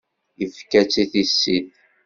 Yefka-tt i tissit.